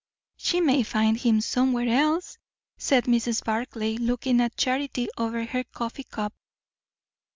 "She may find him somewhere else," said Mrs. Barclay, looking at Charity over her coffee cup.